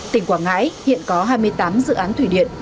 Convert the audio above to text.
tỉnh quảng ngãi hiện có hai mươi tám dự án thủy điện